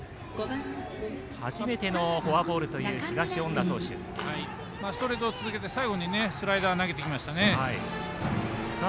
初めてのフォアボールというストレートを続けて最後にスライダーを投げてきましたね。